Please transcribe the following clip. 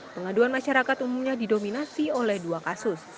pengaduan masyarakat umumnya didominasi oleh dua kasus